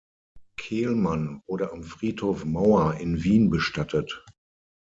Kehlmann wurde am Friedhof Mauer in Wien bestattet.